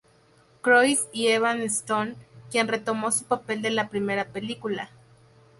Croix y Evan Stone, quien retomó su papel de la primera película.